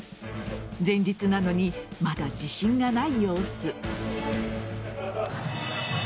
前日なのにまだ自信がない様子。